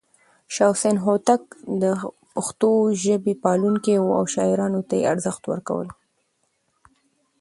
شاه حسين هوتک د پښتو ژبې پالونکی و او شاعرانو ته يې ارزښت ورکولو.